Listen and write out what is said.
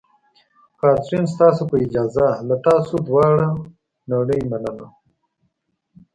کاترین: ستاسو په اجازه، له تاسو دواړو نړۍ نړۍ مننه.